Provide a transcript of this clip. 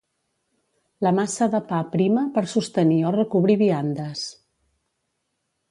La massa de pa prima per sostenir o recobrir viandes